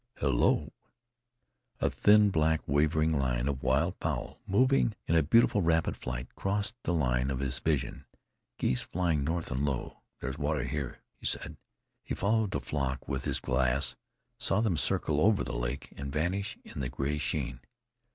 Hello!" A thin, black, wavering line of wild fowl, moving in beautiful, rapid flight, crossed the line of his vision. "Geese flying north, and low. There's water here," he said. He followed the flock with his glass, saw them circle over the lake, and vanish in the gray sheen.